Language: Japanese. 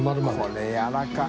これやわらかい。